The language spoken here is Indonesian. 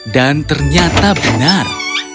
dan ternyata benar